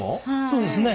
そうですね。